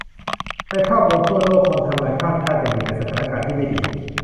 ในภาพรวมทั่วโลก คนทำงานข้ามชาติยังอยู่ในสถานการณ์ที่ไม่ดี